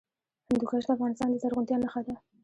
هندوکش د افغانستان د زرغونتیا نښه ده.